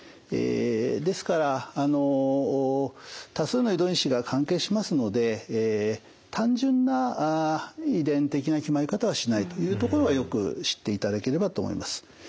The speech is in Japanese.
ですから多数の遺伝子が関係しますので単純な遺伝的な決まり方はしないというところはよく知っていただければと思います。